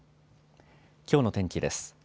きょうの天気です。